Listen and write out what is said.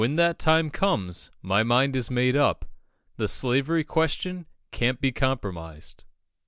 When that time comes, my mind is made up. The slavery question can't be compromised."